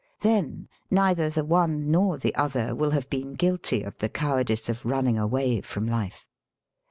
Then neither the one nor the other will have been guilty of the cowardice of running away from life.)